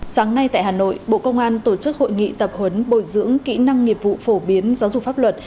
sáng nay tại hà nội bộ công an tổ chức hội nghị tập huấn bồi dưỡng kỹ năng nghiệp vụ phổ biến giáo dục pháp luật